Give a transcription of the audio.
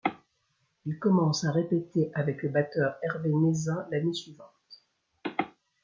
Ils commencent à répéter avec le batteur Hervé Naizin l'année suivante.